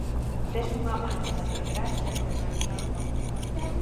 Tes unha mancha de graxa no vestido.